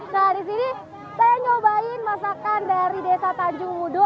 nah di sini saya nyobain masakan dari desa tanjung wudhu